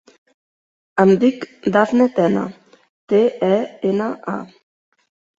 Em dic Dafne Tena: te, e, ena, a.